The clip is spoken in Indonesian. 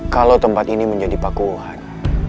kalau tempat ini menjadi pakuan